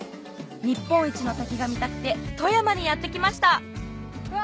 日本一の滝が見たくて富山にやって来ましたうわ